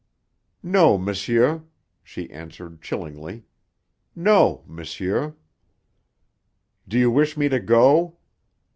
"No, monsieur," she answered chillingly. "No, monsieur!" "Do you wish me to go?"